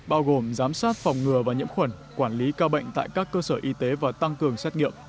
bao gồm giám sát phòng ngừa và nhiễm khuẩn quản lý ca bệnh tại các cơ sở y tế và tăng cường xét nghiệm